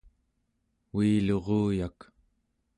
uiluruyak